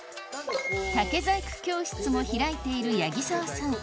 竹細工教室も開いている八木澤さん